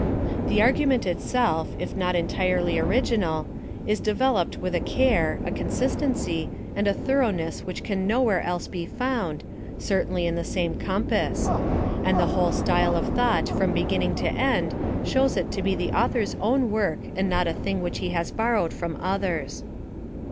The argument itself, if not entirely original, is devel oped with a care, a consistency, and a thoroughness which can nowhere else be found, certainly in the same compass; and the whole style of thought from beginning to end shows it to be the author's own work and not a thing which he has borrowed from others.